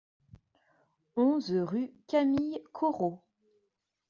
onze rue Camille Corot